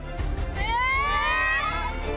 え！